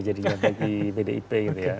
jadinya bagi pdip gitu ya